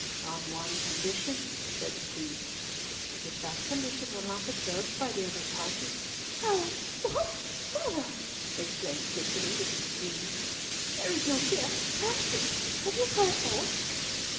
"On one condition," said the Queen. "But if that condition were not observed by the other party—" "How—what, mother!" exclaimed Cicely, with a scream. "There is no fear—Humfrey, have you heard aught?"